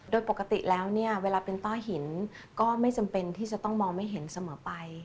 โดยปกติแล้วเนี่ยเวลาเป็นต้าหินก็ไม่จำเป็นที่จะต้องมองไม่เห็นเสมอไป